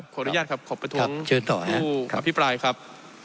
ขออนุญาตครับขอประท้วงเชิญต่อนะครับอภิปรายครับ